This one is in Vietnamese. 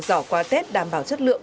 rõ qua tết đảm bảo chất lượng